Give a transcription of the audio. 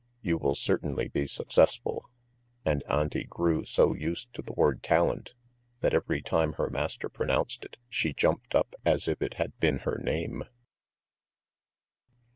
You will certainly be successful!" And Auntie grew so used to the word talent, that every time her master pronounced it, she jumped up as if it had been her name.